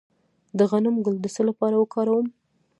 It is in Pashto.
د غنم ګل د څه لپاره وکاروم؟